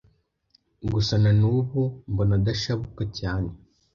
gusa na nubu mbona adashabuka cyane